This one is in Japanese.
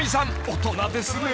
大人ですね］